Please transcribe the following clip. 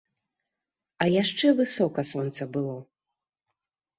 А яшчэ высока сонца было.